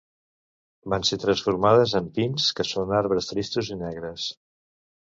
Van ser transformades en pins, que són arbres tristos i negres.